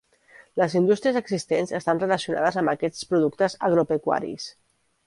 Les indústries existents estan relacionades amb aquests productes agropecuaris.